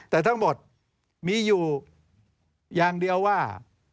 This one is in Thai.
แต่ทั้งหมดมีอยู่อย่างเดียวว่า